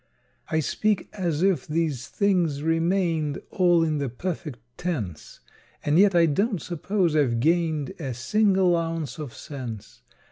I speak as if these things remained All in the perfect tense, And yet I don't suppose I've gained A single ounce of sense.